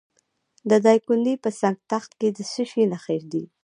د دایکنډي په سنګ تخت کې د څه شي نښې دي؟